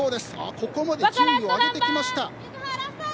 ここまで順位が出てきました。